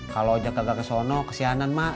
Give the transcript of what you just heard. kalo ojak gak ke sana kesianan mak